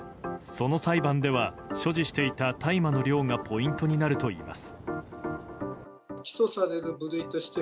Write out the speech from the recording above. その裁判では所持していた大麻の量がポイントになるといいます。